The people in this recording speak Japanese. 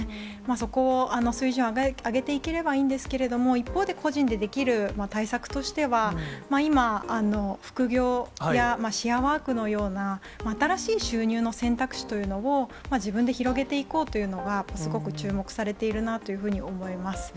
そこを、水準を上げていければいいんですけれども、一方で個人でできる対策としては、今、副業やシェアワークのような、新しい収入の選択肢というのを自分で広げていこうというのが、すごく注目されているなというふうに思います。